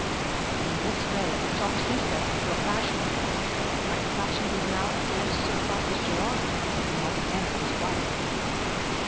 In this way he talked himself into a passion; but the passion was now against Sir Francis Geraldine and not against his wife.